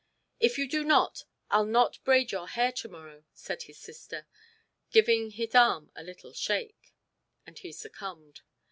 "If you do not, I'll not braid your hair to morrow," said his sister, giving his arm a little shake; and he succumbed.